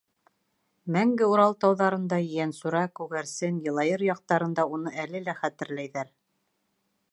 Мәңге Урал тауҙарында Ейәнсура, Күгәрсен, Йылайыр яҡтарында уны әле лә хәтерләйҙәр.